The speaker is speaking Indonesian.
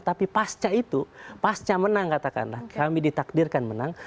tapi pasca itu pasca menang katakanlah kami ditakdirkan menang